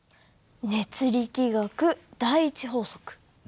熱力学第１法則。